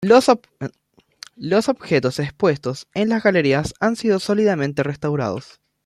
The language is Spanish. Los objetos expuestos en las galerías han sido sólidamente restaurados.